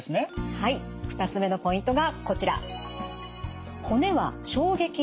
はい２つ目のポイントがこちら。